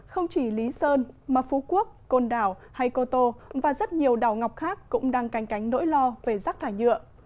không chỉ lý sơn mà phú quốc côn đảo hay cô tô và rất nhiều đảo ngọc khác cũng đang canh cánh nỗi lo về rác thải nhựa